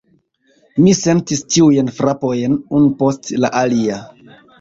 Mi sentis ĉiujn frapojn, unu post la alia.